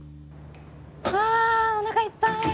あおなかいっぱい！